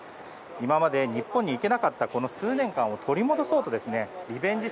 今まで日本に行けなかったこの数年間を取り戻そうとリベンジ